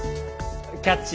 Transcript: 「キャッチ！